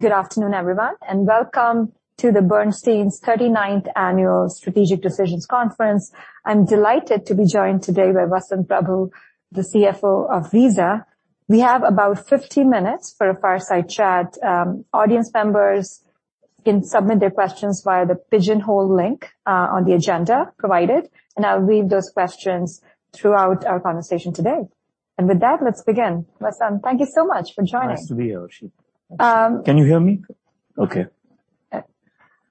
Good afternoon, everyone, and welcome to the Bernstein 39th Annual Strategic Decisions Conference. I'm delighted to be joined today by Vasant Prabhu, the CFO of Visa. We have about 50 minutes for a fireside chat. Audience members can submit their questions via the Pigeonhole link on the agenda provided, and I'll read those questions throughout our conversation today. With that, let's begin. Vasant, thank you so much for joining. Nice to be here, Urshi. Um- Can you hear me? Okay.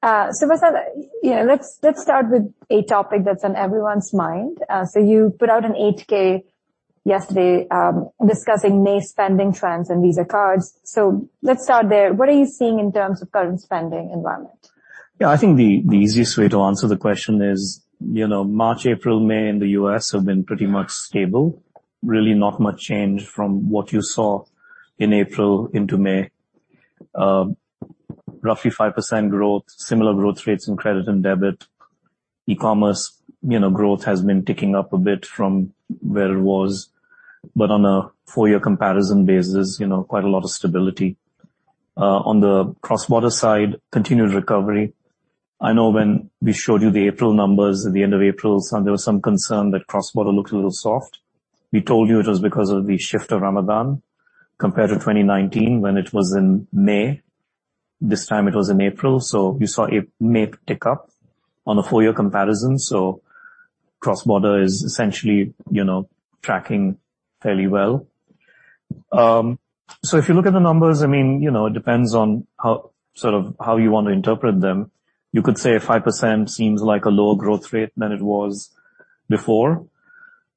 Vasant, yeah, let's start with a topic that's on everyone's mind. You put out an 8-K yesterday discussing May spending trends and Visa cards. Let's start there. What are you seeing in terms of current spending environment? Yeah, I think the easiest way to answer the question is, you know, March, April, May in the U.S. have been pretty much stable. Really not much change from what you saw in April into May. Roughly 5% growth, similar growth rates in credit and debit. E-commerce, you know, growth has been ticking up a bit from where it was, but on a four-year comparison basis, you know, quite a lot of stability. On the cross-border side, continued recovery. I know when we showed you the April numbers at the end of April, there was some concern that cross-border looked a little soft. We told you it was because of the shift of Ramadan. Compared to 2019, when it was in May, this time it was in April, so we saw May tick up on a four-year comparison. Cross-border is essentially, you know, tracking fairly well. If you look at the numbers, I mean, you know, it depends on how, sort of, how you want to interpret them. You could say 5% seems like a lower growth rate than it was before.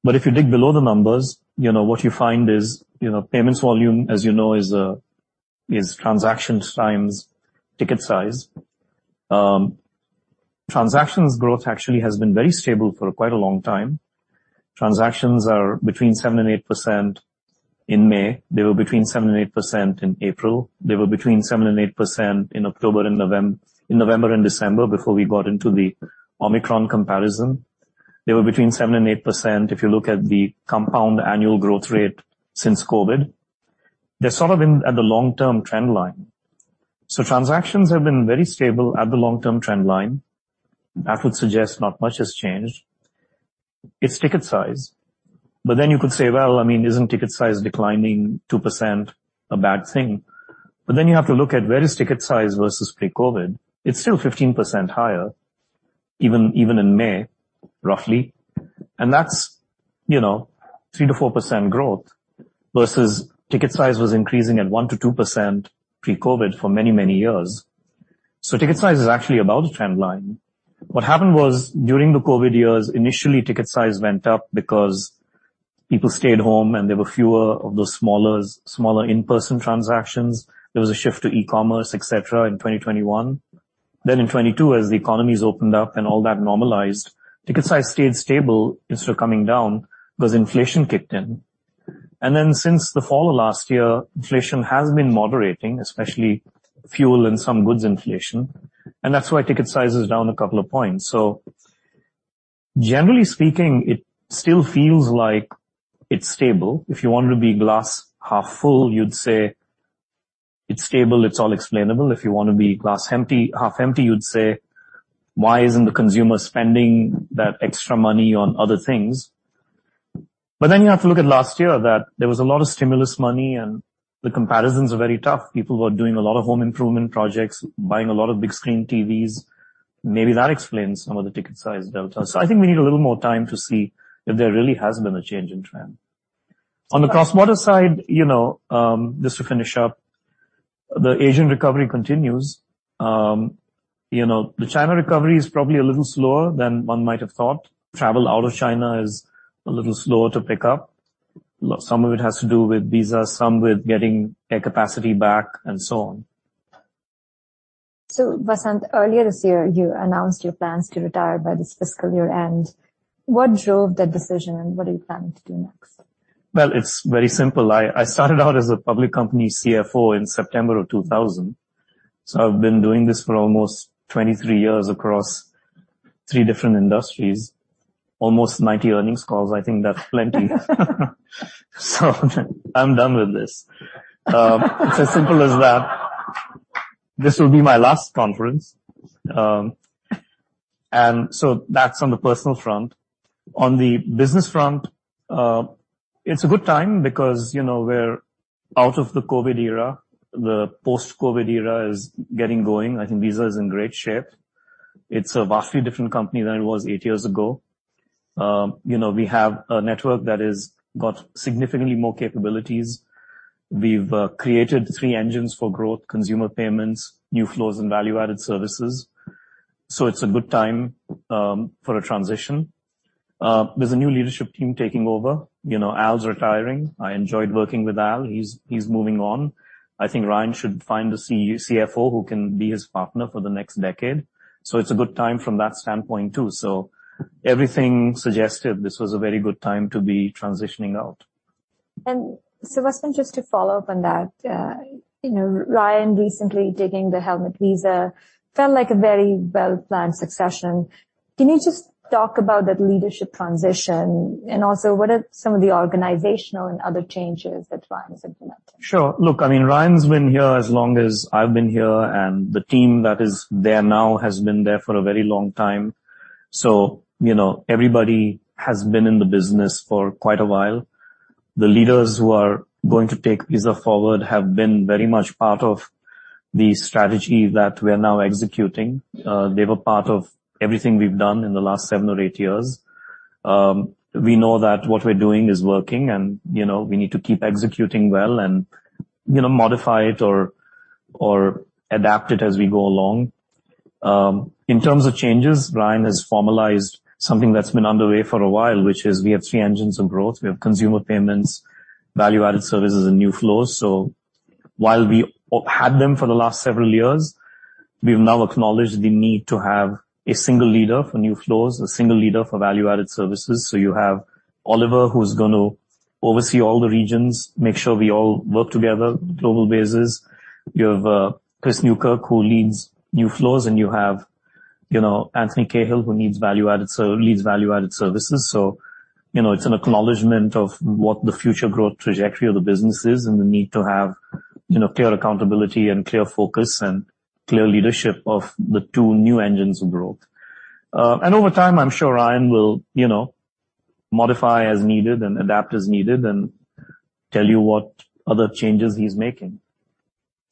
If you dig below the numbers, you know, what you find is, you know, payments volume, as you know, is transactions times ticket size. Transactions growth actually has been very stable for quite a long time. Transactions are between 7% and 8% in May. They were between 7% and 8% in April. They were between 7% and 8% in October and in November and December, before we got into the Omicron comparison. They were between 7% and 8% if you look at the compound annual growth rate since COVID. They're sort of in at the long-term trend line. Transactions have been very stable at the long-term trend line. That would suggest not much has changed. It's ticket size. You could say, "Well, I mean, isn't ticket size declining 2% a bad thing?" You have to look at where is ticket size versus pre-COVID. It's still 15% higher, even in May, roughly, and that's, you know, 3%-4% growth, versus ticket size was increasing at 1%-2% pre-COVID for many, many years. Ticket size is actually above the trend line. What happened was, during the COVID years, initially, ticket size went up because people stayed home and there were fewer of those smaller in-person transactions. There was a shift to e-commerce, et cetera, in 2021. In 2022, as the economies opened up and all that normalized, ticket size stayed stable instead of coming down because inflation kicked in. Since the fall of last year, inflation has been moderating, especially fuel and some goods inflation, and that's why ticket size is down 2 points. Generally speaking, it still feels like it's stable. If you wanted to be glass half full, you'd say it's stable, it's all explainable. If you want to be glass empty, half empty, you'd say, "Why isn't the consumer spending that extra money on other things?" You have to look at last year, that there was a lot of stimulus money, and the comparisons are very tough. People were doing a lot of home improvement projects, buying a lot of big screen TVs. Maybe that explains some of the ticket size delta. I think we need a little more time to see if there really has been a change in trend. On the cross-border side, you know, just to finish up, the Asian recovery continues. You know, the China recovery is probably a little slower than one might have thought. Travel out of China is a little slower to pick up. Some of it has to do with visas, some with getting air capacity back and so on. Vasant, earlier this year, you announced your plans to retire by this fiscal year end. What drove that decision, and what are you planning to do next? It's very simple. I started out as a public company CFO in September of 2000, so I've been doing this for almost 23 years across 3 different industries, almost 90 earnings calls. I think that's plenty. I'm done with this. It's as simple as that. This will be my last conference. That's on the personal front. On the business front, it's a good time because, you know, we're out of the COVID era. The post-COVID era is getting going. I think Visa is in great shape. It's a vastly different company than it was 8 years ago. You know, we have a network that is, got significantly more capabilities. We've created 3 engines for growth, consumer payments, New Flows, and Value-Added Services. It's a good time for a transition. There's a new leadership team taking over. You know, Al's retiring. I enjoyed working with Al. He's moving on. I think Ryan should find a CFO who can be his partner for the next decade. It's a good time from that standpoint, too. Everything suggested this was a very good time to be transitioning out. Vasant, just to follow up on that, you know, Ryan recently taking the helm at Visa felt like a very well-planned succession. Can you just talk about that leadership transition? Also, what are some of the organizational and other changes that Ryan has implemented? Sure. Look, I mean, Ryan's been here as long as I've been here, and the team that is there now has been there for a very long time. You know, everybody has been in the business for quite a while. The leaders who are going to take Visa forward have been very much part of the strategy that we are now executing. They were part of everything we've done in the last seven or eight years. We know that what we're doing is working, and, you know, we need to keep executing well and, you know, modify it or adapt it as we go along. In terms of changes, Ryan has formalized something that's been underway for a while, which is we have three engines of growth. We have consumer payments, Value-Added Services, and New Flows. While we all had them for the last several years, we've now acknowledged the need to have a single leader for new flows, a single leader for value-added services. You have Oliver, who's going to oversee all the regions, make sure we all work together, global basis. You have Chris Newkirk, who leads new flows, and you have, you know, Antony Cahill, who leads value-added services. You know, it's an acknowledgment of what the future growth trajectory of the business is and the need to have, you know, clear accountability and clear focus and clear leadership of the two new engines of growth. Over time, I'm sure Ryan will, you know, modify as needed and adapt as needed and tell you what other changes he's making.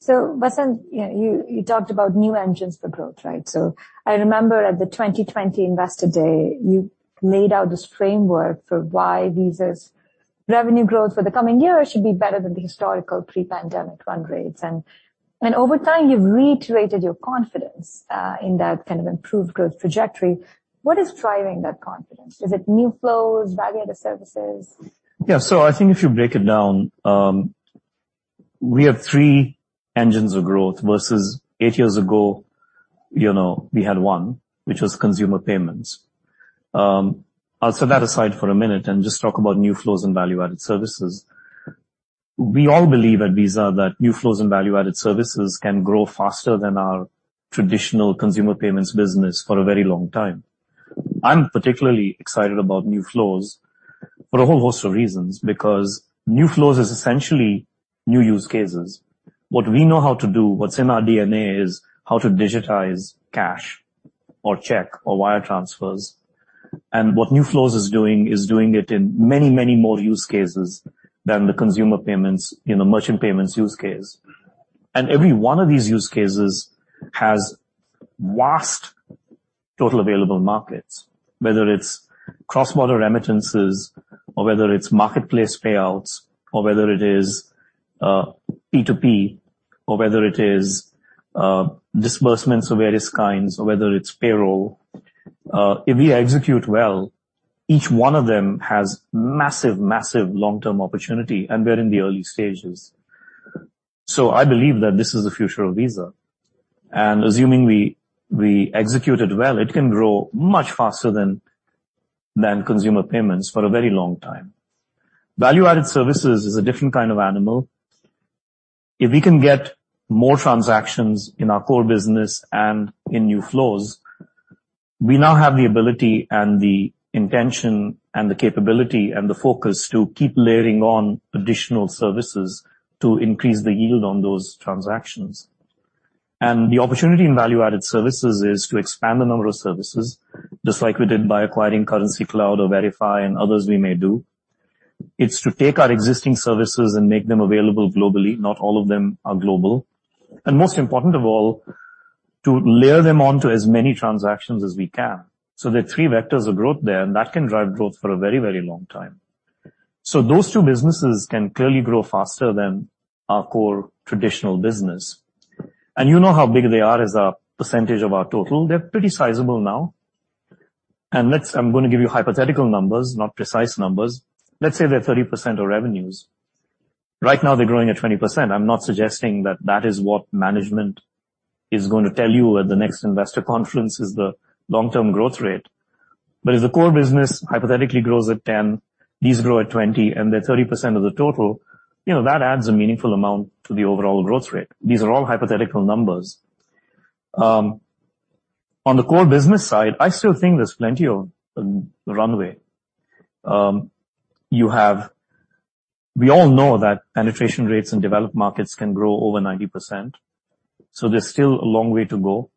Vasant, you talked about new engines for growth, right? I remember at the 2020 Investor Day, you laid out this framework for why Visa's revenue growth for the coming years should be better than the historical pre-pandemic run rates. Over time, you've reiterated your confidence in that kind of improved growth trajectory. What is driving that confidence? Is it New Flows, Value-Added Services? Yeah. I think if you break it down, we have 3 engines of growth versus 8 years ago, you know, we had 1, which was consumer payments. I'll set that aside for a minute and just talk about New Flows and Value-Added Services. We all believe at Visa that New Flows and Value-Added Services can grow faster than our traditional consumer payments business for a very long time. I'm particularly excited about New Flows for a whole host of reasons, because New Flows is essentially new use cases. What we know how to do, what's in our DNA, is how to digitize cash or check or wire transfers. What New Flows is doing, is doing it in many, many more use cases than the consumer payments in the merchant payments use case. Every one of these use cases has vast total available markets, whether it's cross-border remittances or whether it's marketplace payouts or whether it is P2P, or whether it is disbursements of various kinds, or whether it's payroll. If we execute well, each one of them has massive long-term opportunity, and we're in the early stages. I believe that this is the future of Visa, and assuming we execute it well, it can grow much faster than consumer payments for a very long time. Value-added services is a different kind of animal. If we can get more transactions in our core business and in New Flows, we now have the ability and the intention and the capability and the focus to keep layering on additional services to increase the yield on those transactions. The opportunity in value-added services is to expand the number of services, just like we did by acquiring Currencycloud or Verifi and others we may do. It's to take our existing services and make them available globally. Not all of them are global. Most important of all, to layer them onto as many transactions as we can. There are 3 vectors of growth there, and that can drive growth for a very, very long time. Those two businesses can clearly grow faster than our core traditional business. You know how big they are as a percentage of our total. They're pretty sizable now. I'm gonna give you hypothetical numbers, not precise numbers. Let's say they're 30% of revenues. Right now, they're growing at 20%. I'm not suggesting that that is what management is going to tell you at the next investor conference is the long-term growth rate. If the core business hypothetically grows at 10%, these grow at 20%, and they're 30% of the total, you know, that adds a meaningful amount to the overall growth rate. These are all hypothetical numbers. On the core business side, I still think there's plenty of runway. We all know that penetration rates in developed markets can grow over 90%, so there's still a long way to go.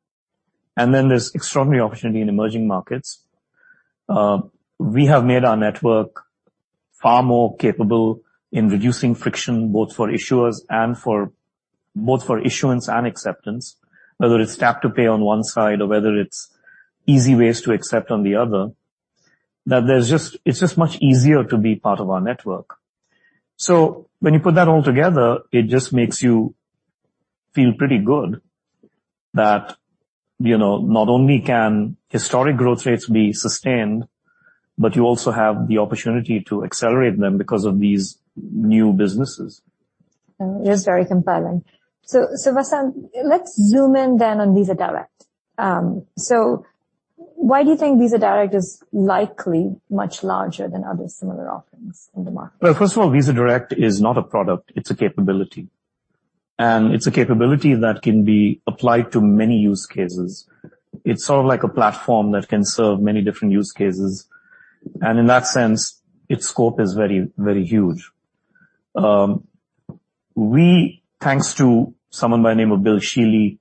Then there's extraordinary opportunity in emerging markets. We have made our network far more capable in reducing friction, both for issuers and both for issuance and acceptance, whether it's tap-to-pay on one side or whether it's easy ways to accept on the other, it's just much easier to be part of our network. When you put that all together, it just makes you feel pretty good that, you know, not only can historic growth rates be sustained, but you also have the opportunity to accelerate them because of these new businesses. It is very compelling. Vasant, let's zoom in then on Visa Direct. Why do you think Visa Direct is likely much larger than other similar offerings in the market? First of all, Visa Direct is not a product, it's a capability. It's a capability that can be applied to many use cases. It's sort of like a platform that can serve many different use cases, and in that sense, its scope is very, very huge. We, thanks to someone by the name of Bill Sheley,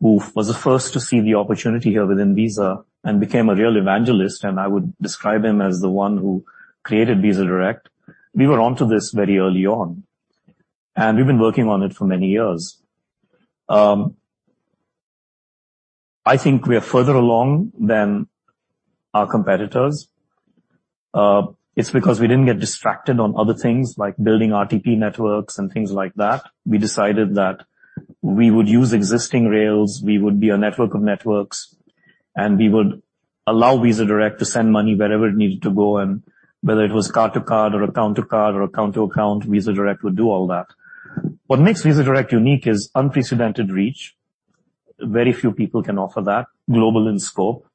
who was the first to see the opportunity here within Visa and became a real evangelist, and I would describe him as the one who created Visa Direct. We were onto this very early on, and we've been working on it for many years. I think we are further along than our competitors. It's because we didn't get distracted on other things, like building RTP networks and things like that. We decided that we would use existing rails, we would be a network of networks, and we would allow Visa Direct to send money wherever it needed to go, and whether it was card to card or account to card or account to account, Visa Direct would do all that. What makes Visa Direct unique is unprecedented reach. Very few people can offer that, global in scope.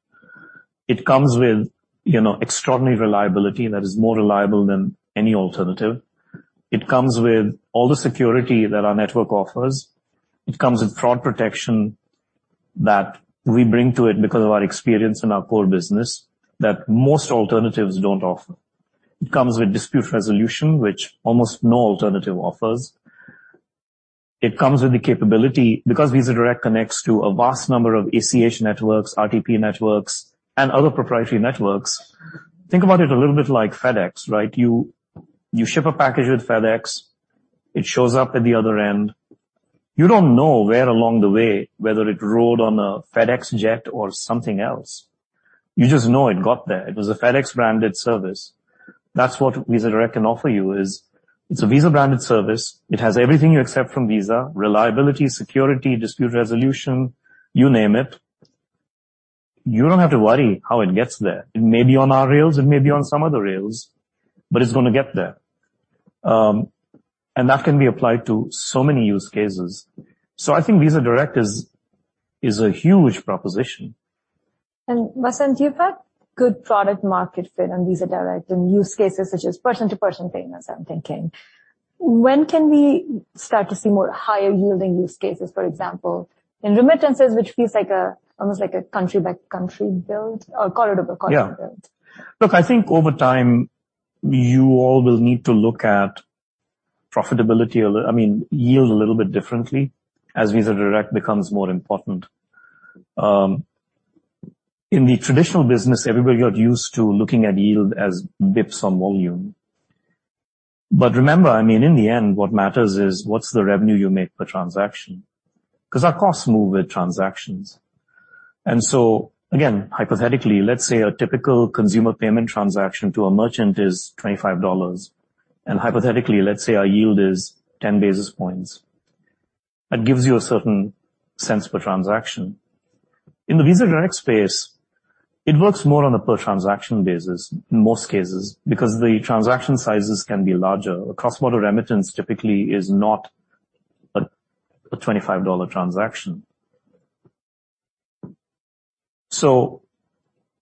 It comes with, you know, extraordinary reliability, that is, more reliable than any alternative. It comes with all the security that our network offers. It comes with fraud protection that we bring to it because of our experience in our core business that most alternatives don't offer. It comes with dispute resolution, which almost no alternative offers. It comes with the capability... Visa Direct connects to a vast number of ACH networks, RTP networks, and other proprietary networks, think about it a little bit like FedEx, right? You ship a package with FedEx, it shows up at the other end. You don't know where along the way, whether it rode on a FedEx jet or something else. You just know it got there. It was a FedEx-branded service. That's what Visa Direct can offer you, is it's a Visa-branded service. It has everything you accept from Visa, reliability, security, dispute resolution, you name it. You don't have to worry how it gets there. It may be on our rails, it may be on some other rails, but it's gonna get there. That can be applied to so many use cases. I think Visa Direct is a huge proposition. Vasant, you've had good product market fit on Visa Direct in use cases such as person-to-person payments, I'm thinking. When can we start to see more higher-yielding use cases, for example, in remittances, which feels like a, almost like a country by country build or corridor by corridor build? Yeah. Look, I think over time, you all will need to look at profitability a little... I mean, yield a little bit differently as Visa Direct becomes more important. In the traditional business, everybody got used to looking at yield as basis points on volume. Remember, I mean, in the end, what matters is what's the revenue you make per transaction? 'Cause our costs move with transactions. Again, hypothetically, let's say a typical consumer payment transaction to a merchant is $25, and hypothetically, let's say our yield is 10 basis points. That gives you a certain sense per transaction. In the Visa Direct space, it works more on a per transaction basis in most cases, because the transaction sizes can be larger. A cross-border remittance typically is not a $25 transaction.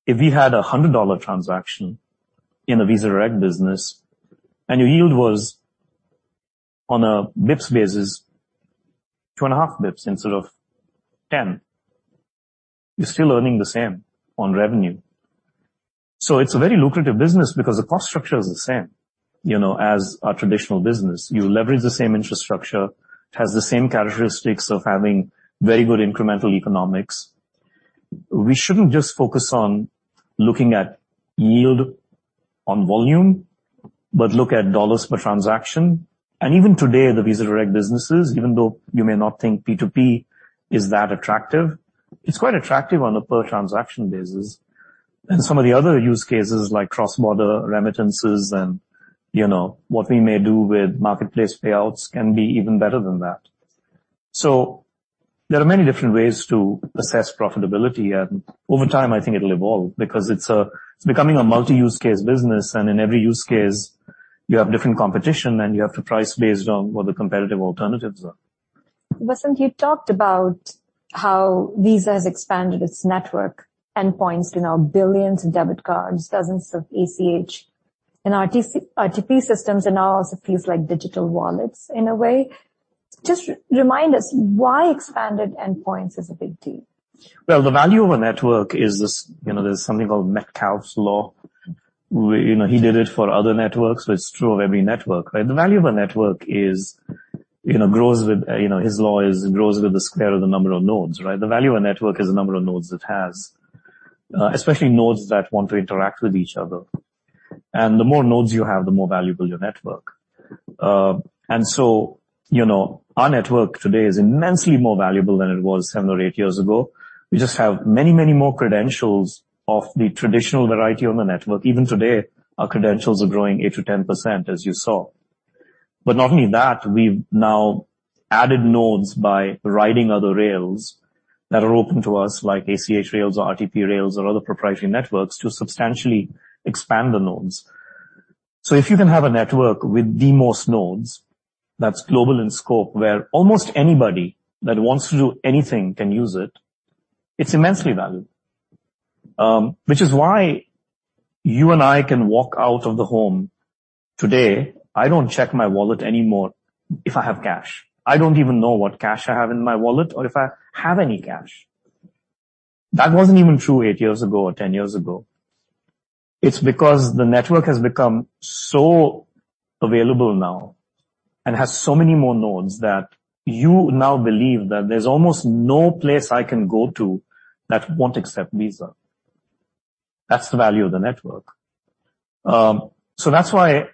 If we had a $100 transaction in a Visa Direct business, and your yield was on a bips basis, 2.5 bips instead of 10, you're still earning the same on revenue. It's a very lucrative business because the cost structure is the same, you know, as our traditional business. You leverage the same infrastructure, it has the same characteristics of having very good incremental economics. We shouldn't just focus on looking at yield on volume, but look at dollars per transaction. Even today, the Visa Direct businesses, even though you may not think P2P, is that attractive? It's quite attractive on a per transaction basis. Some of the other use cases, like cross-border remittances and, you know, what we may do with marketplace payouts, can be even better than that. There are many different ways to assess profitability, and over time, I think it'll evolve because it's becoming a multi-use case business, and in every use case, you have different competition, and you have to price based on what the competitive alternatives are. Vasant, you talked about how Visa has expanded its network endpoints to now billions of debit cards, dozens of ACH and RTP systems, and now it also feels like digital wallets in a way. Just remind us, why expanded endpoints is a big deal? Well, the value of a network is this... You know, there's something called Metcalfe's law, where, you know, he did it for other networks, but it's true of every network, right? The value of a network is, you know, grows with, you know, his law is, it grows with the square of the number of nodes, right? The value of a network is the number of nodes it has, especially nodes that want to interact with each other. The more nodes you have, the more valuable your network. You know, our network today is immensely more valuable than it was seven or eight years ago. We just have many more credentials of the traditional variety on the network. Even today, our credentials are growing 8% to 10%, as you saw. Not only that, we've now added nodes by riding other rails that are open to us, like ACH rails or RTP rails or other proprietary networks, to substantially expand the nodes. If you can have a network with the most nodes, that's global in scope, where almost anybody that wants to do anything can use it's immensely valuable. Which is why you and I can walk out of the home today, I don't check my wallet anymore if I have cash. I don't even know what cash I have in my wallet or if I have any cash. That wasn't even true 8 years ago or 10 years ago. It's because the network has become so available now and has so many more nodes, that you now believe that there's almost no place I can go to that won't accept Visa. That's the value of the network. That's why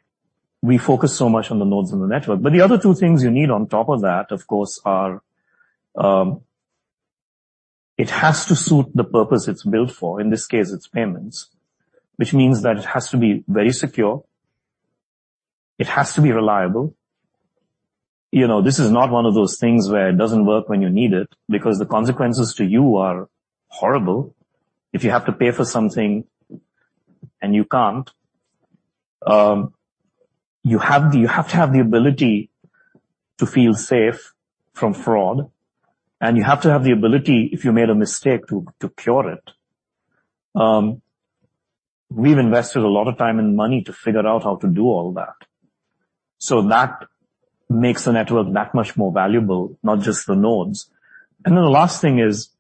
we focus so much on the nodes in the network. The other two things you need on top of that, of course, are, it has to suit the purpose it's built for, in this case, it's payments. Which means that it has to be very secure, it has to be reliable. You know, this is not one of those things where it doesn't work when you need it, because the consequences to you are horrible if you have to pay for something and you can't. You have to have the ability to feel safe from fraud, and you have to have the ability, if you made a mistake, to cure it. We've invested a lot of time and money to figure out how to do all that. That makes the network that much more valuable, not just the nodes. The last thing is,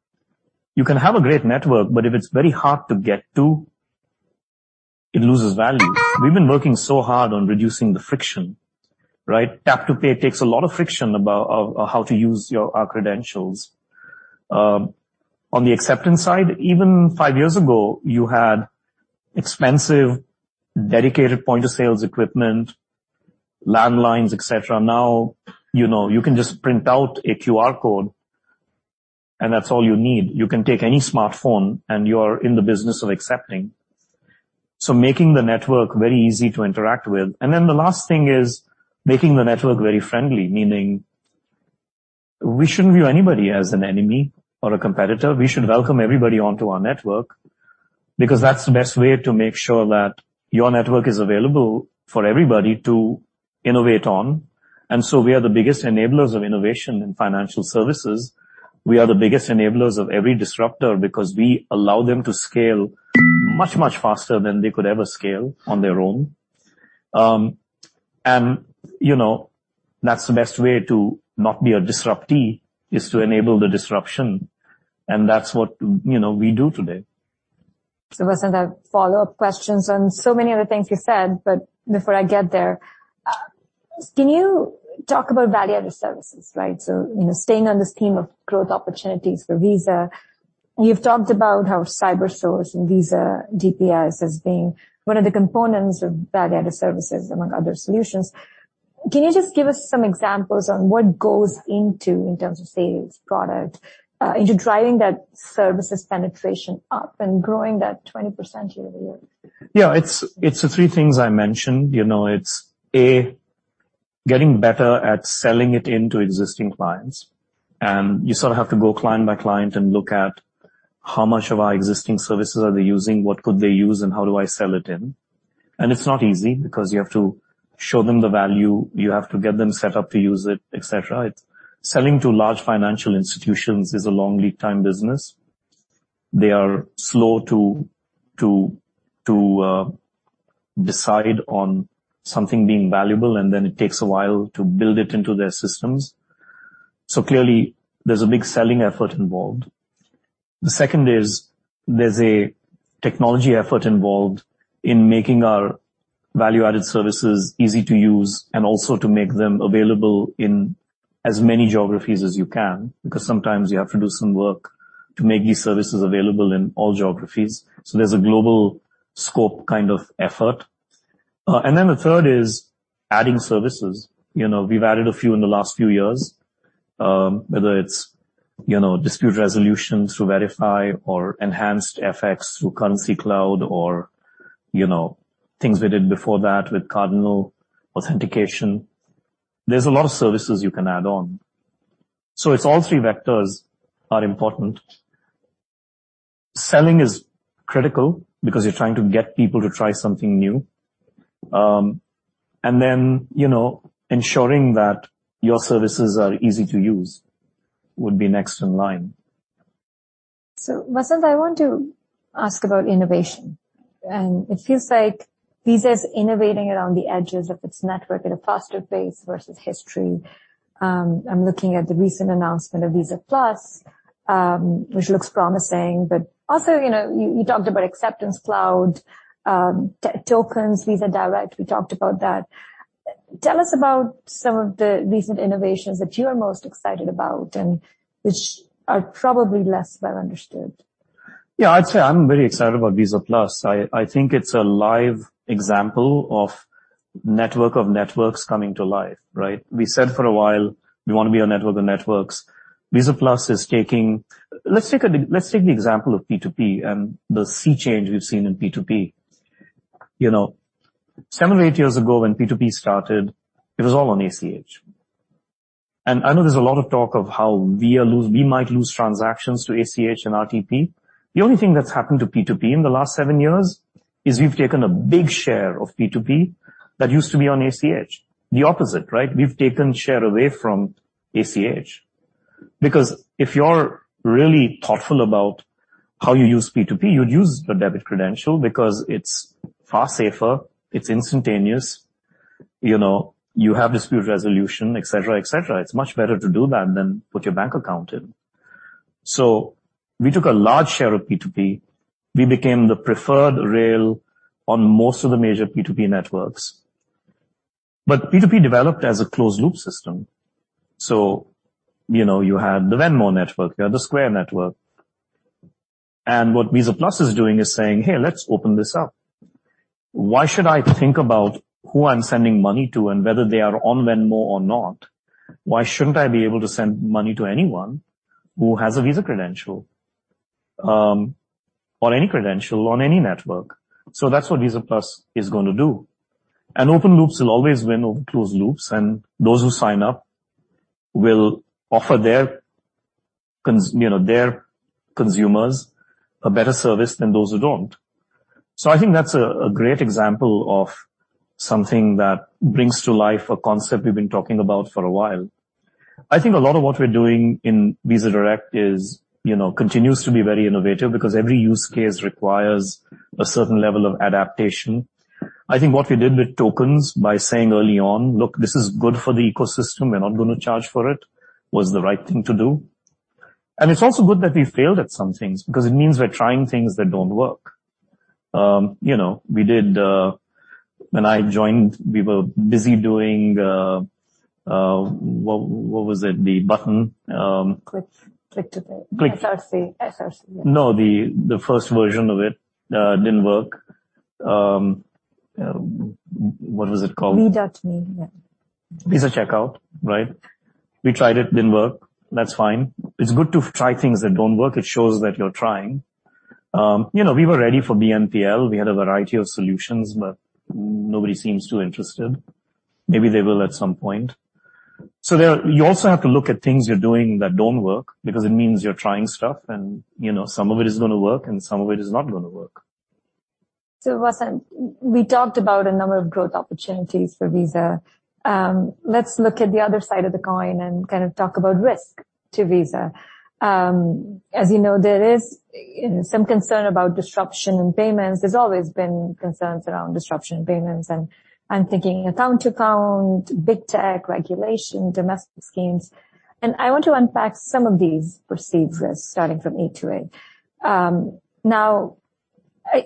you can have a great network, but if it's very hard to get to, it loses value. We've been working so hard on reducing the friction, right? tap to pay takes a lot of friction about of, on how to use your, our credentials. On the acceptance side, even 5 years ago, you had expensive, dedicated point-of-sales equipment, landlines, etc. You know, you can just print out a QR code, and that's all you need. You can take any smartphone, and you are in the business of accepting. Making the network very easy to interact with. The last thing is making the network very friendly, meaning we shouldn't view anybody as an enemy or a competitor. We should welcome everybody onto our network, because that's the best way to make sure that your network is available for everybody to innovate on. We are the biggest enablers of innovation in financial services. We are the biggest enablers of every disruptor because we allow them to scale much, much faster than they could ever scale on their own. You know, that's the best way to not be a disruptee, is to enable the disruption, and that's what, you know, we do today. Vasant, I have follow-up questions on so many other things you said, but before I get there, can you talk about value-added services, right? You know, staying on this theme of growth opportunities for Visa, you've talked about how CyberSource and Visa DPS as being one of the components of value-added services, among other solutions. Can you just give us some examples on what goes into in terms of sales, product, into driving that services penetration up and growing that 20% year-over-year? Yeah, it's the three things I mentioned. You know, it's A, getting better at selling it into existing clients. You sort of have to go client by client and look at how much of our existing services are they using, what could they use, and how do I sell it in? It's not easy because you have to show them the value, you have to get them set up to use it, etc. Selling to large financial institutions is a long lead time business. They are slow to decide on something being valuable, and then it takes a while to build it into their systems. Clearly, there's a big selling effort involved. The second is, there's a technology effort involved in making our value-added services easy to use and also to make them available in as many geographies as you can, because sometimes you have to do some work to make these services available in all geographies. There's a global scope kind of effort. The third is adding services. You know, we've added a few in the last few years, whether it's, you know, dispute resolution through Verifi or enhanced FX through Currencycloud or, you know, things we did before that with CardinalCommerce authentication. There's a lot of services you can add on. It's all three vectors are important. Selling is critical because you're trying to get people to try something new. You know, ensuring that your services are easy to use would be next in line. Vasant, I want to ask about innovation, and it feels like Visa is innovating around the edges of its network at a faster pace versus history. I'm looking at the recent announcement of Visa+, which looks promising, but also, you know, you talked about Acceptance Cloud, tokens, Visa Direct, we talked about that. Tell us about some of the recent innovations that you are most excited about and which are probably less well understood. Yeah, I'd say I'm very excited about Visa+. I think it's a live example of network of networks coming to life, right? We said for a while, we wanna be a network of networks. Let's take the example of P2P and the sea change we've seen in P2P. You know, seven or eight years ago, when P2P started, it was all on ACH. I know there's a lot of talk of how we might lose transactions to ACH and RTP. The only thing that's happened to P2P in the last seven years is we've taken a big share of P2P that used to be on ACH. The opposite, right? We've taken share away from ACH. If you're really thoughtful about how you use P2P, you'd use the debit credential because it's far safer, it's instantaneous, you know, you have dispute resolution, et cetera, et cetera. It's much better to do that than put your bank account in. We took a large share of P2P. We became the preferred rail on most of the major P2P networks. P2P developed as a closed-loop system, so, you know, you had the Venmo network, you had the Square network. What Visa Plus is doing is saying, "Hey, let's open this up." Why should I think about who I'm sending money to and whether they are on Venmo or not? Why shouldn't I be able to send money to anyone who has a Visa credential, or any credential on any network? That's what Visa Plus is going to do. Open loops will always win over closed loops, and those who sign up will offer their, you know, consumers a better service than those who don't. I think that's a great example of something that brings to life a concept we've been talking about for a while. I think a lot of what we're doing in Visa Direct is, you know, continues to be very innovative because every use case requires a certain level of adaptation. I think what we did with tokens by saying early on, "Look, this is good for the ecosystem, we're not gonna charge for it," was the right thing to do. It's also good that we failed at some things because it means we're trying things that don't work. You know, we did. When I joined, we were busy doing what was it? The button. Click. Click to Pay. Click- SRC. No, the first version of it, didn't work. What was it called? Me Dot Me. Yeah. Visa Checkout, right? We tried it, didn't work. That's fine. It's good to try things that don't work. It shows that you're trying. You know, we were ready for BNPL. We had a variety of solutions, but nobody seems too interested. Maybe they will at some point. There, you also have to look at things you're doing that don't work because it means you're trying stuff, and, you know, some of it is gonna work and some of it is not gonna work. Vasant, we talked about a number of growth opportunities for Visa. Let's look at the other side of the coin and kind of talk about risk to Visa. As you know, there is, you know, some concern about disruption in payments. There's always been concerns around disruption in payments, and I'm thinking A2A, big tech, regulation, domestic schemes. I want to unpack some of these perceived risks, starting from A2A. Now,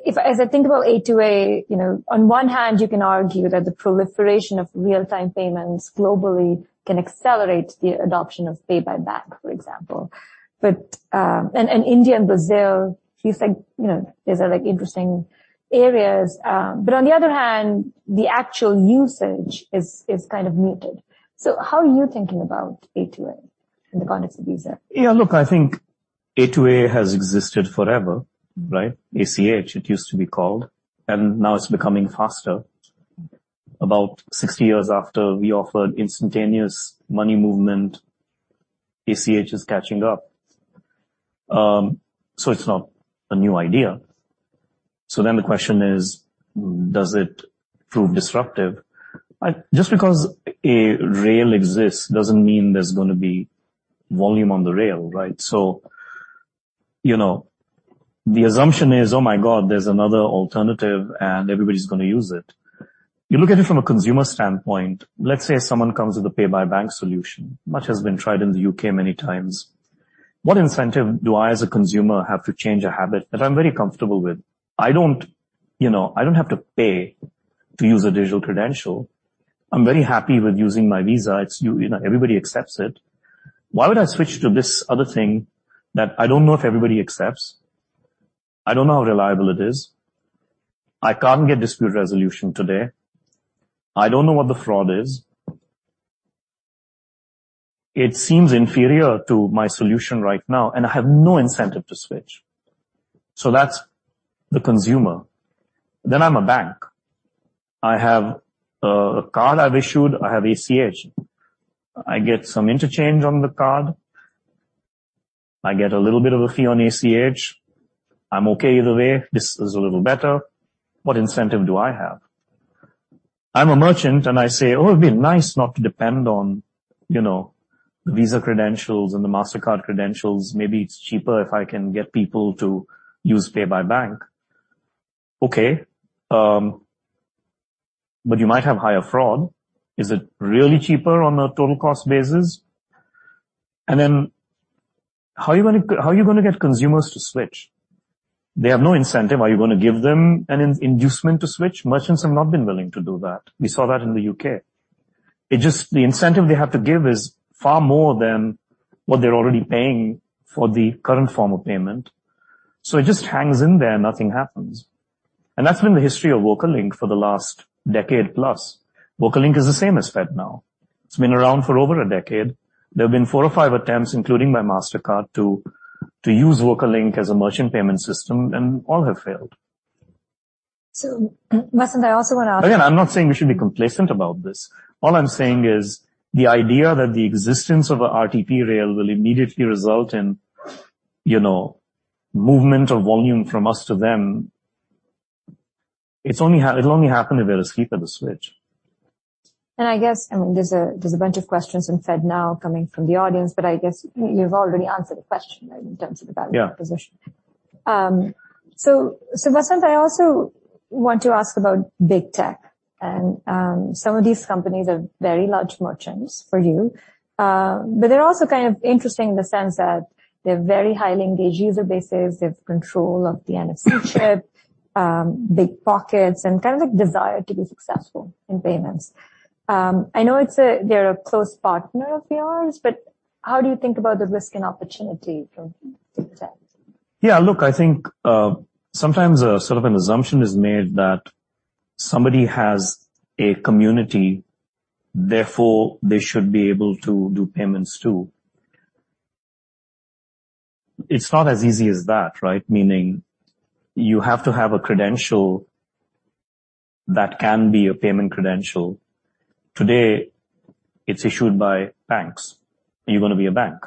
as I think about A2A, you know, on one hand, you can argue that the proliferation of real-time payments globally can accelerate the adoption of pay by bank, for example. India and Brazil, feels like, you know, these are, like, interesting areas. On the other hand, the actual usage is kind of muted. How are you thinking about A2A in the context of Visa? Yeah, look, I think A2A has existed forever, right? ACH, it used to be called, and now it's becoming faster. About 60 years after we offered instantaneous money movement, ACH is catching up. It's not a new idea. The question is, does it prove disruptive? Just because a rail exists doesn't mean there's gonna be volume on the rail, right? You know, the assumption is, oh my God, there's another alternative, and everybody's gonna use it. You look at it from a consumer standpoint. Let's say someone comes with a pay-by-bank solution, much has been tried in the UK many times. What incentive do I, as a consumer, have to change a habit that I'm very comfortable with? I don't, you know, I don't have to pay to use a digital credential. I'm very happy with using my Visa. You know, everybody accepts it. Why would I switch to this other thing that I don't know if everybody accepts? I don't know how reliable it is. I can't get dispute resolution today. I don't know what the fraud is. It seems inferior to my solution right now, and I have no incentive to switch. That's the consumer. I'm a bank. I have a card I've issued, I have ACH. I get some interchange on the card. I get a little bit of a fee on ACH. I'm okay either way. This is a little better. What incentive do I have? I'm a merchant, I say, "Oh, it'd be nice not to depend on, you know, Visa credentials and the Mastercard credentials. Maybe it's cheaper if I can get people to use pay by bank." Okay, you might have higher fraud. Is it really cheaper on a total cost basis? How are you gonna get consumers to switch? They have no incentive. Are you gonna give them an inducement to switch? Merchants have not been willing to do that. We saw that in the U.K. The incentive they have to give is far more than what they're already paying for the current form of payment, so it just hangs in there, and nothing happens. That's been the history of VocaLink for the last decade plus. VocaLink is the same as FedNow. It's been around for over a decade. There have been four or five attempts, including by Mastercard, to use Local Link as a merchant payment system, and all have failed. Vasant, I also want to ask. Again, I'm not saying we should be complacent about this. All I'm saying is, the idea that the existence of a RTP rail will immediately result in, you know, movement of volume from us to them. It'll only happen if there is flip of a switch. I guess, I mean, there's a, there's a bunch of questions in FedNow coming from the audience, but I guess you've already answered the question in terms of the value position. Yeah. Vasant, I also want to ask about big tech, and some of these companies are very large merchants for you. They're also kind of interesting in the sense that they're very highly engaged user bases, they have control of the NFC chip, big pockets, and kind of like desire to be successful in payments. I know They're a close partner of yours, but how do you think about the risk and opportunity from big tech? Yeah, look, I think, sometimes a sort of an assumption is made that somebody has a community, therefore they should be able to do payments, too. It's not as easy as that, right? Meaning, you have to have a credential that can be a payment credential. Today, it's issued by banks. Are you gonna be a bank?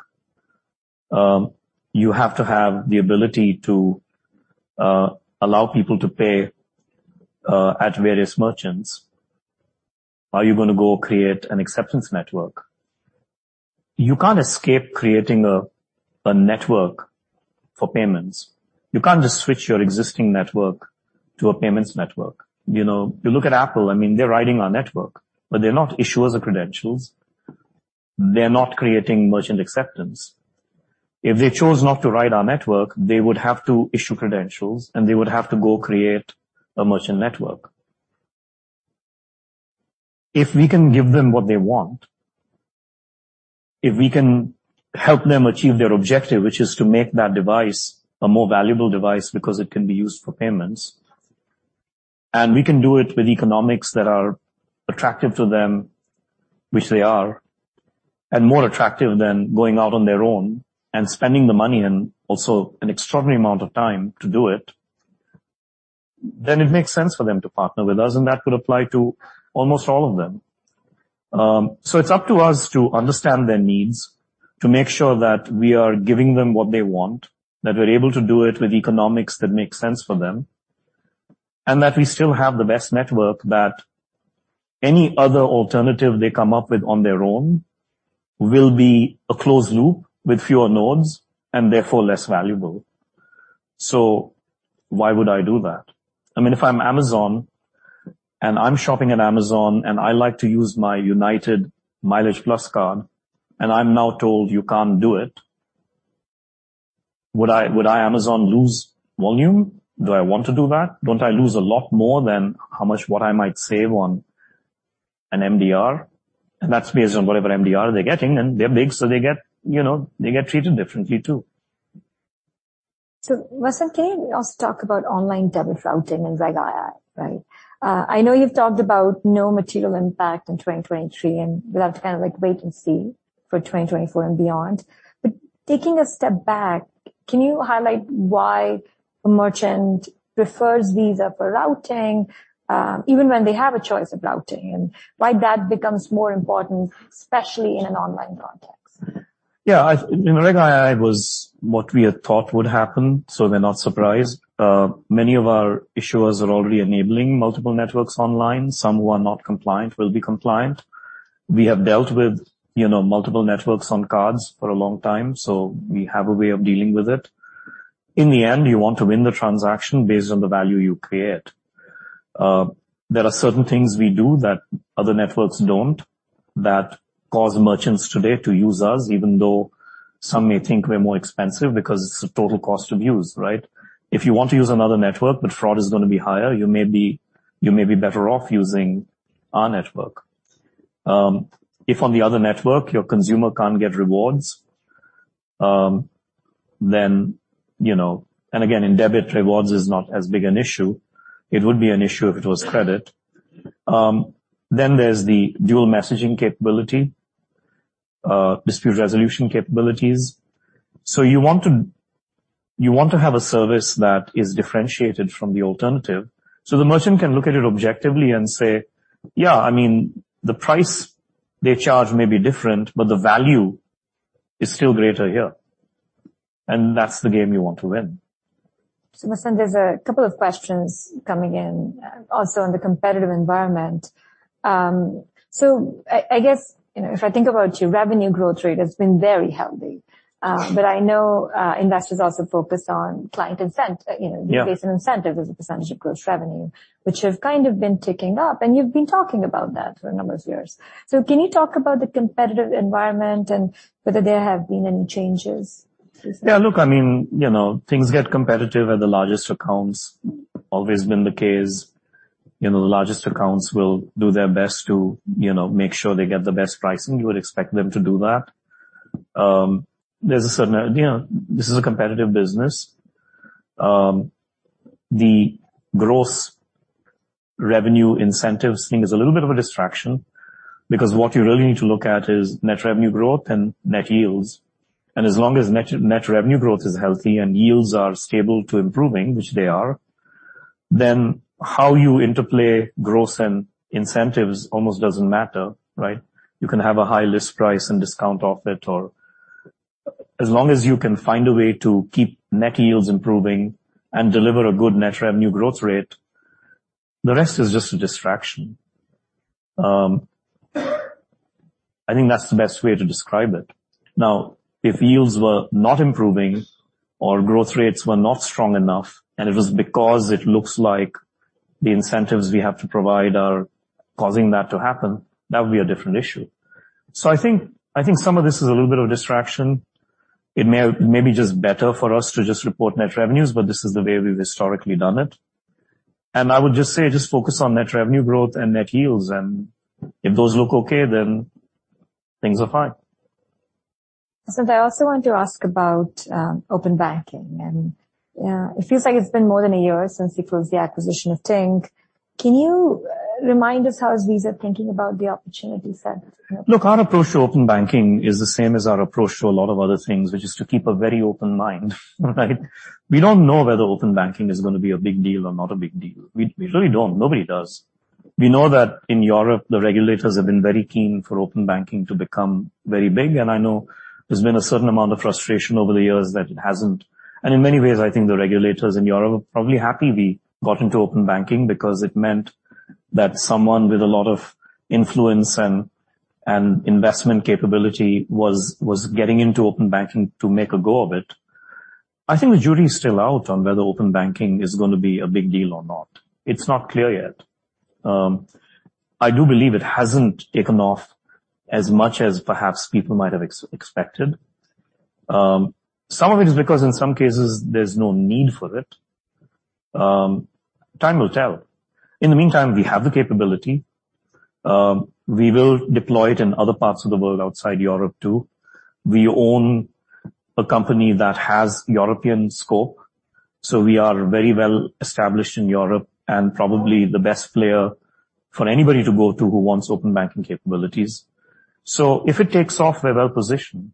You have to have the ability to allow people to pay at various merchants. Are you gonna go create an acceptance network? You can't escape creating a network for payments. You can't just switch your existing network to a payments network. You know, you look at Apple, I mean, they're riding our network, but they're not issuers of credentials. They're not creating merchant acceptance. If they chose not to ride our network, they would have to issue credentials, and they would have to go create a merchant network. If we can give them what they want, if we can help them achieve their objective, which is to make that device a more valuable device because it can be used for payments, and we can do it with economics that are attractive to them, which they are, and more attractive than going out on their own and spending the money and also an extraordinary amount of time to do it, then it makes sense for them to partner with us, and that would apply to almost all of them. It's up to us to understand their needs, to make sure that we are giving them what they want, that we're able to do it with economics that make sense for them, and that we still have the best network that any other alternative they come up with on their own will be a closed loop with fewer nodes and therefore less valuable. Why would I do that? I mean, if I'm Amazon, and I'm shopping at Amazon, and I like to use my United MileagePlus card, and I'm now told, "You can't do it," would I, Amazon, lose volume? Do I want to do that? Don't I lose a lot more than how much what I might save on an MDR? That's based on whatever MDR they're getting, and they're big, so they get, you know, they get treated differently, too. Vasant, can you also talk about online debit routing and Reg II, right? I know you've talked about no material impact in 2023, and we'll have to kind of, like, wait and see for 2024 and beyond. Taking a step back, can you highlight why a merchant prefers Visa for routing, even when they have a choice of routing, and why that becomes more important, especially in an online context? I... In Reg II was what we had thought would happen. We're not surprised. Many of our issuers are already enabling multiple networks online. Some who are not compliant will be compliant. We have dealt with, you know, multiple networks on cards for a long time, so we have a way of dealing with it. In the end, you want to win the transaction based on the value you create. There are certain things we do that other networks don't, that cause merchants today to use us, even though some may think we're more expensive, because it's the total cost to use, right? If you want to use another network, fraud is gonna be higher, you may be better off using our network. If on the other network, your consumer can't get rewards, you know... Again, in debit, rewards is not as big an issue. It would be an issue if it was credit. Then there's the dual message capability, dispute resolution capabilities. You want to have a service that is differentiated from the alternative, so the merchant can look at it objectively and say, "Yeah, I mean, the price they charge may be different, but the value is still greater here." That's the game you want to win. Vasant, there's a couple of questions coming in also on the competitive environment. I guess, you know, if I think about your revenue growth rate, it's been very healthy. Mm. I know, investors also focus on client incent, you know- Yeah. Base incentives as a % of gross revenue, which have kind of been ticking up, and you've been talking about that for a number of years. Can you talk about the competitive environment and whether there have been any changes? Yeah, look, I mean, you know, things get competitive at the largest accounts. Always been the case. You know, the largest accounts will do their best to, you know, make sure they get the best pricing. You would expect them to do that. You know, this is a competitive business. The gross revenue incentives thing is a little bit of a distraction because what you really need to look at is net revenue growth and net yields. As long as net revenue growth is healthy and yields are stable to improving, which they are, then how you interplay gross and incentives almost doesn't matter, right? You can have a high list price and discount off it. as long as you can find a way to keep net yields improving and deliver a good net revenue growth rate, the rest is just a distraction. I think that's the best way to describe it. Now, if yields were not improving or growth rates were not strong enough, and it was because it looks like the incentives we have to provide are causing that to happen, that would be a different issue. I think some of this is a little bit of distraction. It may be just better for us to just report net revenues, but this is the way we've historically done it. I would just say, just focus on net revenue growth and net yields, and if those look okay, then things are fine. I also want to ask about open banking, and it feels like it's been more than a year since we closed the acquisition of Tink. Can you remind us, how is Visa thinking about the opportunities? Look, our approach to open banking is the same as our approach to a lot of other things, which is to keep a very open mind, right? We don't know whether open banking is gonna be a big deal or not a big deal. We really don't. Nobody does. We know that in Europe, the regulators have been very keen for open banking to become very big, I know there's been a certain amount of frustration over the years that it hasn't. In many ways, I think the regulators in Europe are probably happy we got into open banking because it meant that someone with a lot of influence and investment capability was getting into open banking to make a go of it. I think the jury is still out on whether open banking is gonna be a big deal or not. It's not clear yet. I do believe it hasn't taken off as much as perhaps people might have expected. Some of it is because in some cases there's no need for it. Time will tell. In the meantime, we have the capability. We will deploy it in other parts of the world outside Europe, too. We own a company that has European scope, so we are very well established in Europe and probably the best player for anybody to go to who wants open banking capabilities. If it takes off, we're well positioned,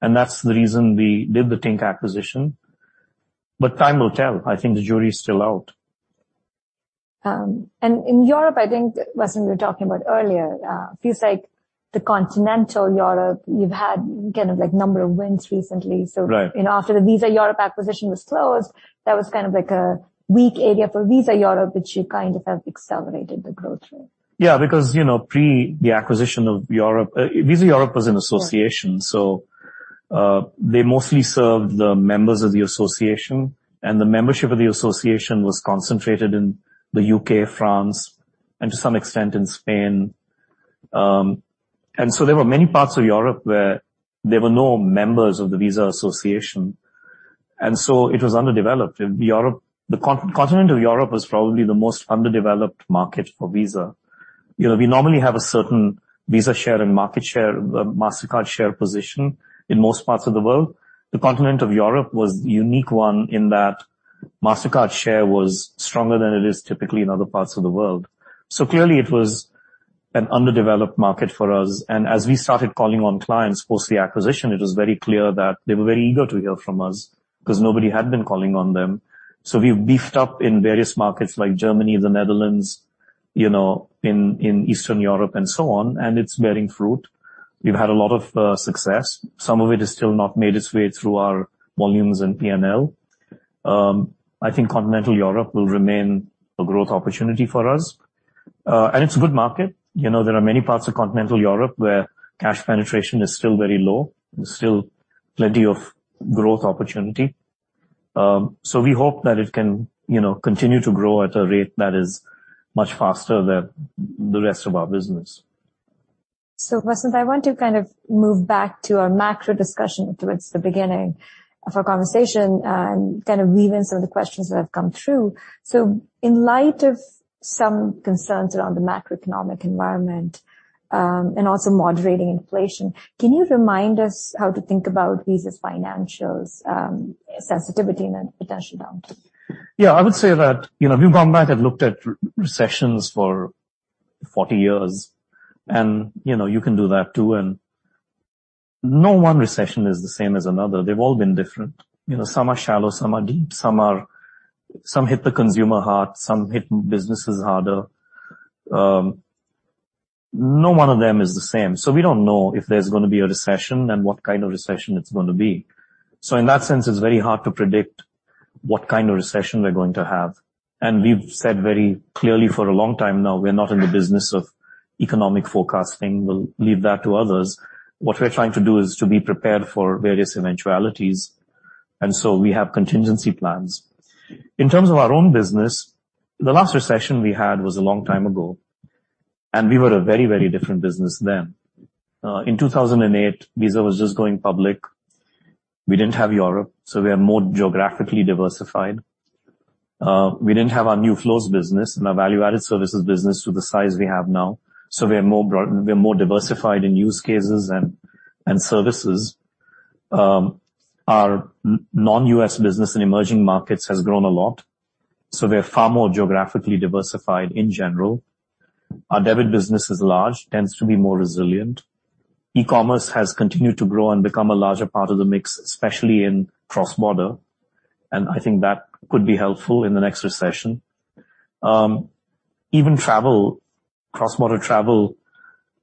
and that's the reason we did the Tink acquisition. Time will tell. I think the jury is still out. In Europe, I think, Vasant, we were talking about earlier, feels like the continental Europe, you've had number of wins recently. Right. You know, after the Visa Europe acquisition was closed, that was kind of like a weak area for Visa Europe, but you kind of have accelerated the growth rate. Yeah, because, you know, pre the acquisition of Europe, Visa Europe was an association. Right. They mostly served the members of the association, and the membership of the association was concentrated in the UK, France, and to some extent in Spain. There were many parts of Europe where there were no members of the Visa association, and so it was underdeveloped. In Europe, the continent of Europe was probably the most underdeveloped market for Visa. You know, we normally have a certain Visa share and market share, Mastercard share position in most parts of the world. The continent of Europe was the unique one in that Mastercard share was stronger than it is typically in other parts of the world. Clearly it was an underdeveloped market for us, and as we started calling on clients post the acquisition, it was very clear that they were very eager to hear from us because nobody had been calling on them. We've beefed up in various markets like Germany, the Netherlands, you know, in Eastern Europe and so on, and it's bearing fruit. We've had a lot of success. Some of it has still not made its way through our volumes and PNL. I think continental Europe will remain a growth opportunity for us. It's a good market. You know, there are many parts of continental Europe where cash penetration is still very low. There's still plenty of growth opportunity. We hope that it can, you know, continue to grow at a rate that is much faster than the rest of our business. Vasant, I want to kind of move back to our macro discussion towards the beginning of our conversation and kind of weave in some of the questions that have come through. In light of some concerns around the macroeconomic environment and also moderating inflation, can you remind us how to think about Visa's financials, sensitivity and then potential downtime? Yeah, I would say that, you know, we've gone back and looked at re-recessions for 40 years, you know, you can do that too, no 1 recession is the same as another. They've all been different. You know, some are shallow, some are deep. Some hit the consumer hard, some hit businesses harder. No 1 of them is the same. We don't know if there's gonna be a recession and what kind of recession it's going to be. In that sense, it's very hard to predict what kind of recession we're going to have. We've said very clearly for a long time now, we're not in the business of economic forecasting. We'll leave that to others. What we're trying to do is to be prepared for various eventualities, we have contingency plans. In terms of our own business, the last recession we had was a long time ago, and we were a very, very different business then. In 2008, Visa was just going public. We didn't have Europe. We are more geographically diversified. We didn't have our New Flows business and our Value-Added Services business to the size we have now. We're more diversified in use cases and services. Our non-US business in emerging markets has grown a lot. We are far more geographically diversified in general. Our debit business is large, tends to be more resilient. E-commerce has continued to grow and become a larger part of the mix, especially in cross-border, and I think that could be helpful in the next recession. Even travel, cross-border travel,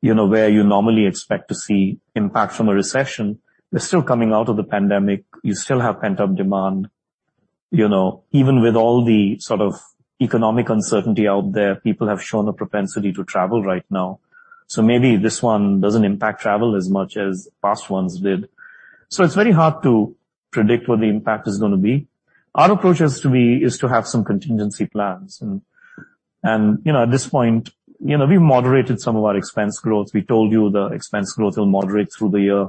you know, where you normally expect to see impact from a recession, they're still coming out of the pandemic. You still have pent-up demand. You know, even with all the sort of economic uncertainty out there, people have shown a propensity to travel right now. Maybe this one doesn't impact travel as much as past ones did. It's very hard to predict what the impact is gonna be. Our approach has to be, is to have some contingency plans, and, you know, at this point, you know, we've moderated some of our expense growth. We told you the expense growth will moderate through the year,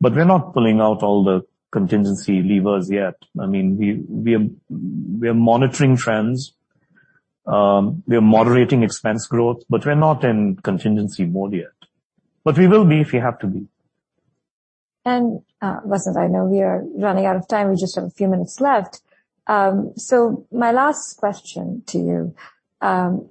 but we're not pulling out all the contingency levers yet. I mean, we are monitoring trends, we are moderating expense growth, but we're not in contingency mode yet. We will be if we have to be. Vasant, I know we are running out of time. We just have a few minutes left. My last question to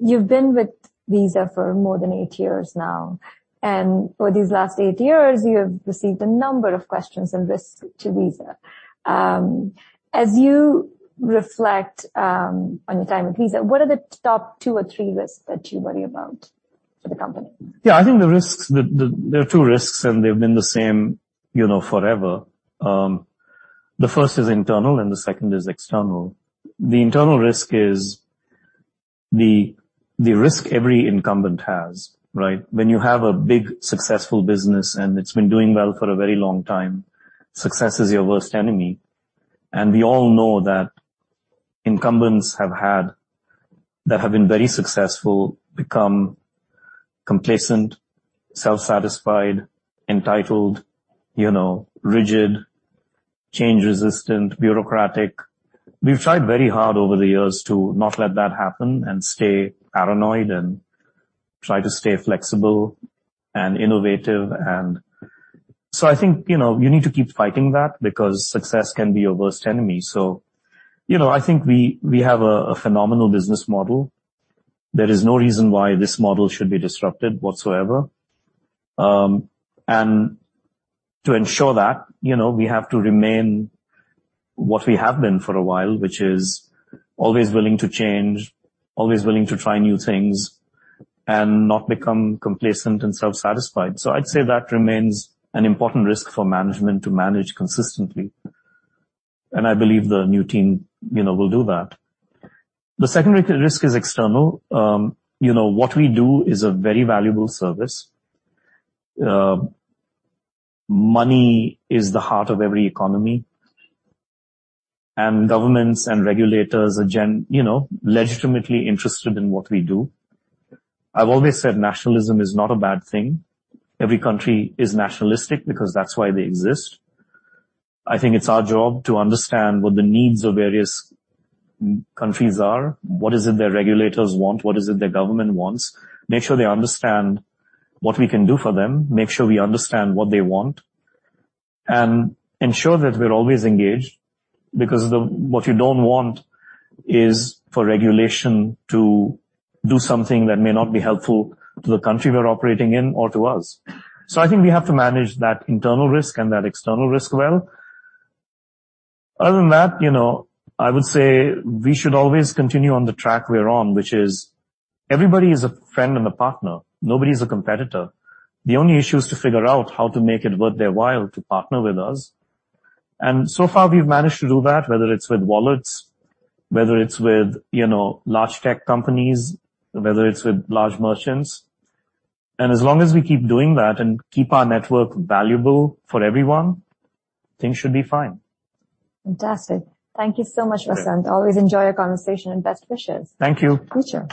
you've been with Visa for more than 8 years now, and for these last 8 years, you have received a number of questions and risks to Visa. As you reflect on your time at Visa, what are the top 2 or 3 risks that you worry about for the company? Yeah, I think the risks. There are two risks. They've been the same, you know, forever. The first is internal. The second is external. The internal risk is the risk every incumbent has, right? When you have a big, successful business and it's been doing well for a very long time, success is your worst enemy. We all know that incumbents that have been very successful, become complacent, self-satisfied, entitled, you know, rigid, change-resistant, bureaucratic. We've tried very hard over the years to not let that happen and stay paranoid and try to stay flexible and innovative. I think, you know, you need to keep fighting that because success can be your worst enemy. You know, I think we have a phenomenal business model. There is no reason why this model should be disrupted whatsoever. To ensure that, you know, we have to remain what we have been for a while, which is always willing to change, always willing to try new things, and not become complacent and self-satisfied. I'd say that remains an important risk for management to manage consistently, and I believe the new team, you know, will do that. The secondary risk is external. You know, what we do is a very valuable service. Money is the heart of every economy, and governments and regulators are you know, legitimately interested in what we do. I've always said nationalism is not a bad thing. Every country is nationalistic because that's why they exist. I think it's our job to understand what the needs of various countries are, what is it their regulators want, what is it their government wants, make sure they understand what we can do for them, make sure we understand what they want, and ensure that we're always engaged, because what you don't want is for regulation to do something that may not be helpful to the country we're operating in or to us. I think we have to manage that internal risk and that external risk well. Other than that, you know, I would say we should always continue on the track we're on, which is everybody is a friend and a partner. Nobody is a competitor. The only issue is to figure out how to make it worth their while to partner with us, and so far, we've managed to do that, whether it's with wallets, whether it's with, you know, large tech companies, whether it's with large merchants. As long as we keep doing that and keep our network valuable for everyone, things should be fine. Fantastic. Thank you so much, Vasant. Always enjoy our conversation, best wishes. Thank you. Sure.